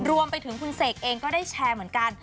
รวมไปถึงคุณเสกเองก็ได้แชร์เหมือนกัน